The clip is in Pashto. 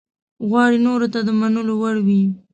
غواړي نورو ته د منلو وړ وي.